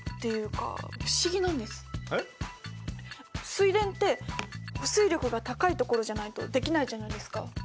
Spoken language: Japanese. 水田って保水力が高いところじゃないとできないじゃないですか。